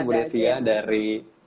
next boleh bu desi ya dari